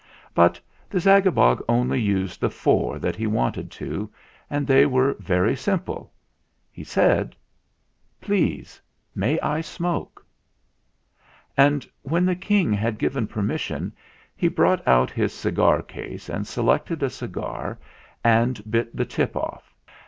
But the Zagabog only used the four that he wanted to, and they were very simple. He said : "Please may I smoke ?" And when the King had given permission he brought out his cigar case and selected a cigar and bit the top off.